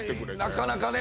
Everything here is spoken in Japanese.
なかなかね